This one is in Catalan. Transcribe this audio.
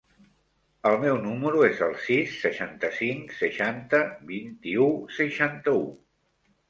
El meu número es el sis, seixanta-cinc, seixanta, vint-i-u, seixanta-u.